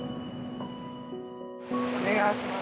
お願いします。